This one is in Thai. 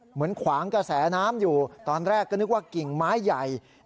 ขวางกระแสน้ำอยู่ตอนแรกก็นึกว่ากิ่งไม้ใหญ่